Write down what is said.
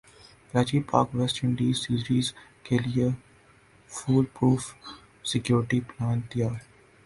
Karachi Pak West Indies series کیلئے foolproof security plan تیار